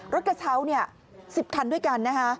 กระเช้า๑๐คันด้วยกันนะคะ